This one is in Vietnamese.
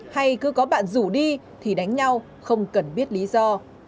hay cứ có bạn rủ đi thì đánh nhau không cần biết lý do